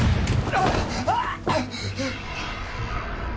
あっ！